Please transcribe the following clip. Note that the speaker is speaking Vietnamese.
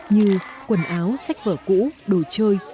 như quần áo sách vở cũ đồ chơi